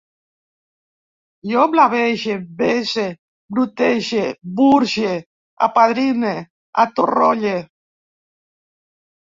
Jo blavege, bese, brutege, burge, apadrine, atorrolle